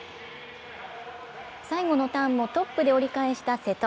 最後のターンもトップで折り返した瀬戸。